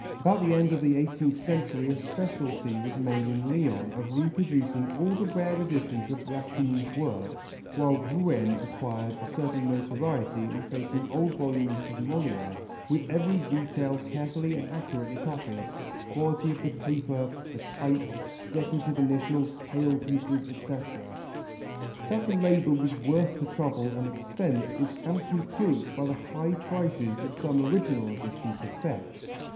About the end of the eighteenth century a speciality was made in Lyons of reproducing all the rare editions of Racine's works, while Rouen acquired a certain notoriety in faking old volumes of Molière with every detail carefully and accurately copied quality of the paper, the type, decorative initials, tailpieces, etc. That the labour was worth the trouble and expense is amply proved by the high prices that some original editions have fetched.